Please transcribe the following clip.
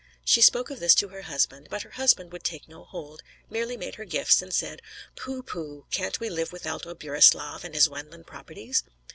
She spoke of this to her husband; but her husband would take no hold, merely made her gifts, and said, "Pooh, pooh, can't we live without old Burislav and his Wendland properties?"